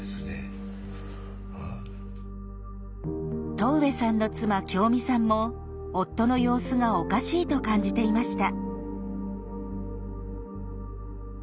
戸上さんの妻京美さんも夫の様子がおかしいと感じていました。